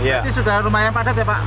ini sudah rumah yang padat ya pak